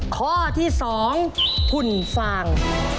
ข้อที่สองผุ่นฟาง